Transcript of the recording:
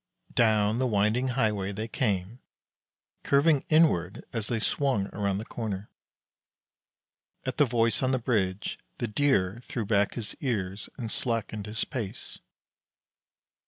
Down the winding highway they came, curving inward as they swung around the corner. At the voice on the bridge the Deer threw back his ears and slackened his pace.